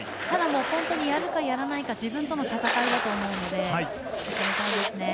ただ、やるかやらないか自分との闘いだと思います。